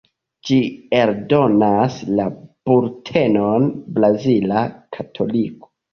Ĝi eldonas la bultenon "Brazila Katoliko".